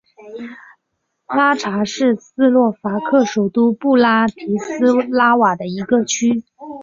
拉察是斯洛伐克首都布拉提斯拉瓦的一个区。